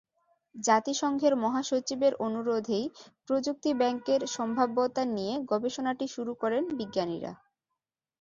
জাতিসংঘের মহাসচিবের অনুরোধেই প্রযুক্তি ব্যাংকের সম্ভাব্যতা নিয়ে গবেষণাটি শুরু করেন বিজ্ঞানীরা।